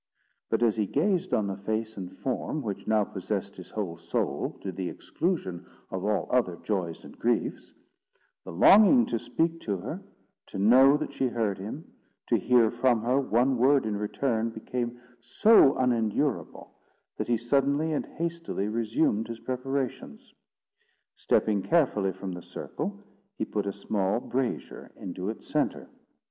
But as he gazed on the face and form, which now possessed his whole soul, to the exclusion of all other joys and griefs, the longing to speak to her, to know that she heard him, to hear from her one word in return, became so unendurable, that he suddenly and hastily resumed his preparations. Stepping carefully from the circle, he put a small brazier into its centre.